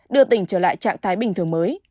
đưa tỉnh trở lại trạng thái bình thường mới